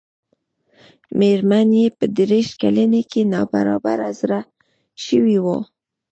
مېرمن يې په دېرش کلنۍ کې ناببره زړه شوې وه.